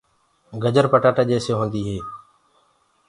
گجر پٽآٽآ جيسي هوندي هي۔